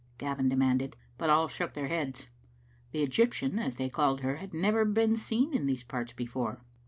Gavin demanded, but all shook their heads. The Egyptian, as they called her, had never been seen in these parts before.